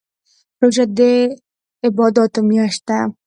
روژه دي عبادات میاشت ده